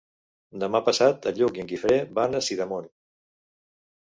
Demà passat en Lluc i en Guifré van a Sidamon.